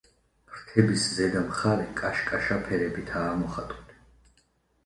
ფრთების ზედა მხარე კაშკაშა ფერებითაა მოხატული.